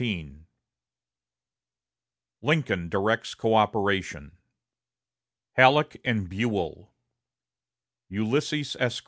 XIX Lincoln Directs Coöperation Halleck and Buell Ulysses S.